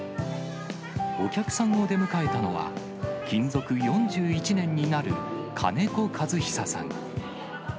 お客さんを出迎えたのは、勤続４１年になる金子和久さん。